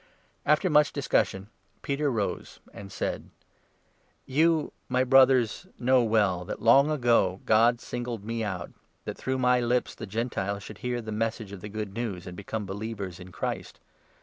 After much discussion, Peter 7 rose and said : "You, my Brothers, know well that long ago God singled me out — that through my lips the Gentiles should hear the Message of the Good News, and become believers in Christ.